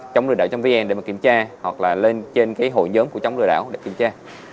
chống lừa đảo trong vn để kiểm tra hoặc là lên trên cái hội nhóm của chống lừa đảo để kiểm tra